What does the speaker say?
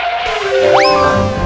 pak reger tunggu